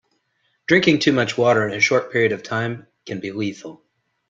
Drinking too much water in a short period of time can be lethal.